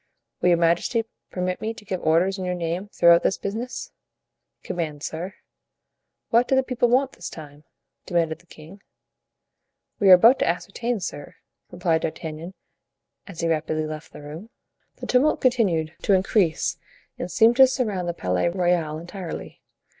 "Will your majesty permit me to give orders in your name throughout this business?" "Command, sir." "What do the people want this time?" demanded the king. "We are about to ascertain, sire," replied D'Artagnan, as he rapidly left the room. The tumult continued to increase and seemed to surround the Palais Royal entirely.